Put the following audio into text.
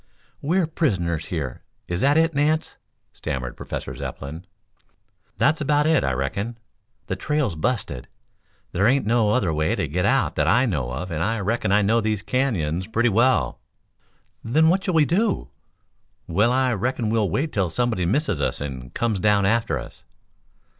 "We are prisoners here? Is that it, Nance?" stammered Professor Zepplin. "That's about it, I reckon. The trail's busted. There ain't no other way to get out that I know of and I reckon I know these canyons pretty well." "Then what shall we do?" "Well, I reckon we'll wait till somebody misses us and comes down after us."